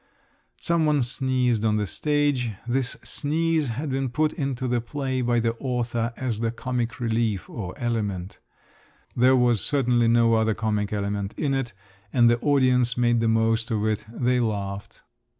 Some one sneezed on the stage; this sneeze had been put into the play by the author as the "comic relief" or "element"; there was certainly no other comic element in it; and the audience made the most of it; they laughed.